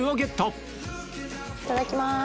いただきます。